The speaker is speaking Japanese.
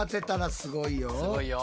すごいよ。